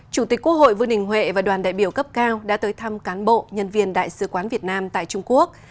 chủ tịch quốc hội vương đình huệ và đoàn đại biểu cấp cao đã tới thăm cán bộ nhân viên đại sứ quán việt nam tại trung quốc